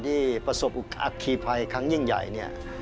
ที่ประสบอัคคีภัยครั้งยิ่งใหญ่เนี่ย